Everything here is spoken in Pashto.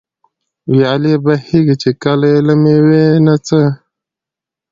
ويالې بهېږي، چي كله ئې له مېوې نه څه